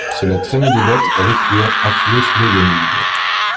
Cela traînait des bottes à l'écuyère enfilées sous les guenilles.